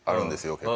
結構。